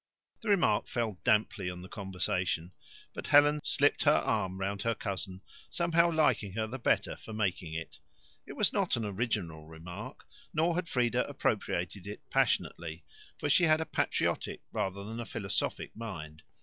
The remark fell damply on the conversation. But Helen slipped her arm round her cousin, somehow liking her the better for making it. It was not an original remark, nor had Frieda appropriated it passionately, for she had a patriotic rather than a philosophic mind.